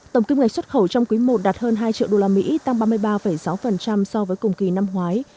tổng kim ngạch xuất khẩu trong quý i đạt hơn hai triệu usd tăng ba mươi ba sáu so với cùng kỳ năm ngoái